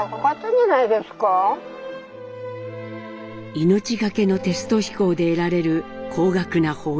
命懸けのテスト飛行で得られる高額な報酬。